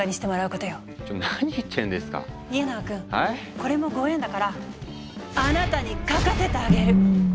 これもご縁だからあなたに描かせてあげる。